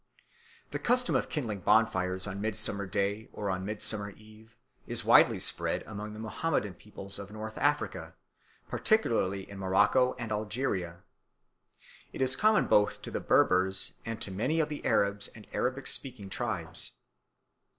The custom of kindling bonfires on Midsummer Day or on Midsummer Eve is widely spread among the Mohammedan peoples of North Africa, particularly in Morocco and Algeria; it is common both to the Berbers and to many of the Arabs or Arabic speaking tribes.